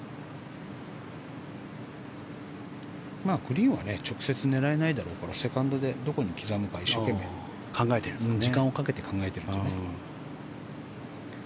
グリーンは直接狙えないだろうからセカンドでどこに刻むか一生懸命、時間をかけて考えてるんでしょうね。